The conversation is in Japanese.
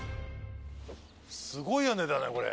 すごい屋根だねこれ。